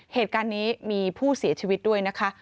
เหตุการณ์นี้มีผู้เสียชีวิตด้วยนะคะ